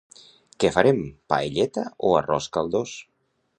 Què farem, paelleta o arròs caldós?